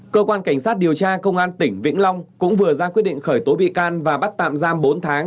cơ quan cảnh sát điều tra công an tỉnh vĩnh long cũng vừa ra quyết định khởi tố bị can và bắt tạm giam bốn tháng